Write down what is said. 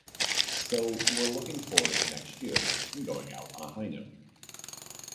So we're looking forward to next year and going out on a high note.